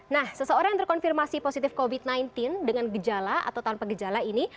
nah seseorang yang terkonfirmasi positif covid sembilan belas dengan gejala atau tanpa gejala ini